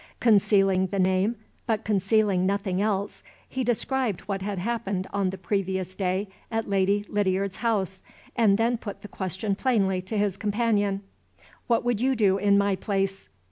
Concealing the name, but concealing nothing else, he described what had happened on the previous day at Lady Lydiard's house, and then put the question plainly to his companion. "What would you do in my place?"